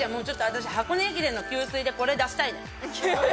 私箱根駅伝の給水でこれ出したいね。